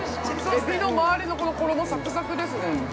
◆エビの回りのころもサクサクですね。